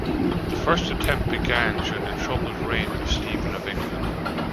The first attempt began during the troubled reign of Stephen of England.